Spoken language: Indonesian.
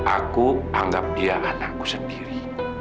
aku anggap dia anakku sendiri